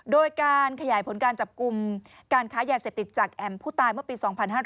โดยการขยายผลการจับกลุ่มการค้ายาเสพติดจากแอมผู้ตายเมื่อปี๒๕๕๙